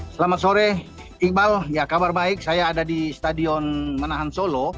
selamat sore iqbal ya kabar baik saya ada di stadion manahan solo